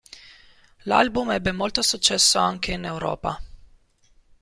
L'album ebbe molto successo anche in Europa.